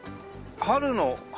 「春の」？